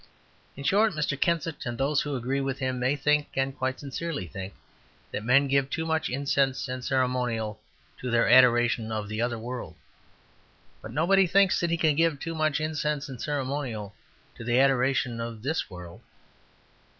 In short, Mr. Kensit, and those who agree with him, may think, and quite sincerely think, that men give too much incense and ceremonial to their adoration of the other world. But nobody thinks that he can give too much incense and ceremonial to the adoration of this world.